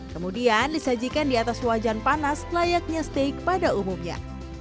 kemudian disajikan di atas wajan panas layaknya steak pada umumnya